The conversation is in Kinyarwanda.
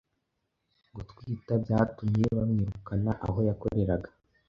gutwita byatumye bamwirukana aho yakoreraga